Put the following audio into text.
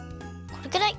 このくらい。